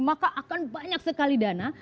maka akan banyak sekali dana